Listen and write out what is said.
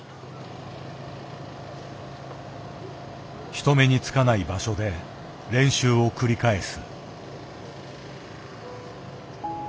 人目につかない場所で練習を繰り返す。